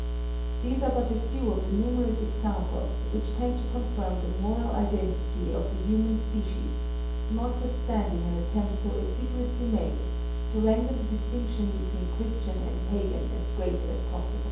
These are but a few of the numerous examples which tend to confirm the moral identity of the human species, notwithstanding an attempt so assiduously made to render the distinction between Christian and Pagan as great as possible.